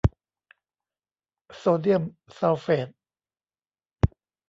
โซเดียมซัลเฟต